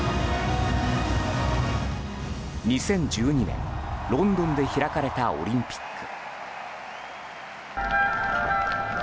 ２０１２年、ロンドンで開かれたオリンピック。